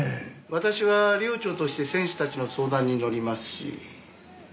私は寮長として選手たちの相談に乗りますし。